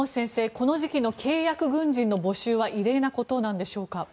この時期の契約軍人の募集は異例なことなんでしょうか。